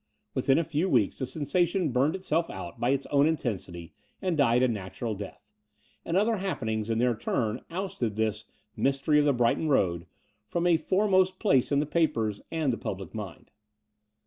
Within a few weeks the sensation burnt itself out by its own intensity and died a natural death; and other happenings, in their turn, ousted this "Mystery of the Brighton Road" from a foremost place in the papers and the public mind.